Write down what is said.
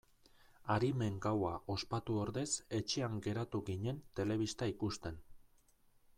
Arimen gaua ospatu ordez etxean geratu ginen telebista ikusten.